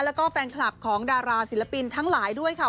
แล้วก็แฟนคลับของดาราศิลปินทั้งหลายด้วยค่ะ